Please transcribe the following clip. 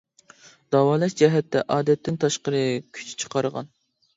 داۋالاش جەھەتتە ئادەتتىن تاشقىرى كۈچ چىقارغان.